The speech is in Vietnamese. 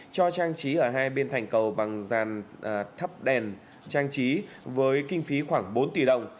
cho trang trí ở hai bên thành cầu bằng dàn thắp đèn trang trí với kinh phí khoảng bốn tỷ đồng